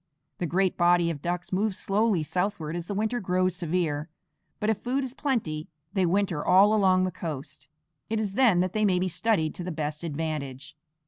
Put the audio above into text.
The great body of ducks moves slowly southward as the winter grows severe; but if food is plenty they winter all along the coast. It is then that they may be studied to the best advantage.